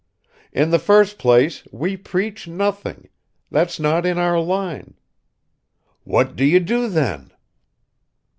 "In the first place, we preach nothing; that's not in our line ..." "What do you do, then?"